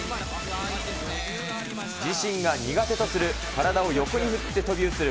自身が苦手とする体を横に振って飛び移る